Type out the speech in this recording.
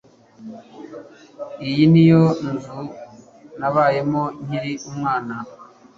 Iyi niyo nzu nabayemo nkiri umwana.